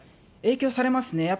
影響されますね。